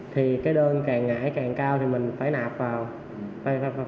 thì cái đơn càng ngãi càng cao thì mình phải nạp vào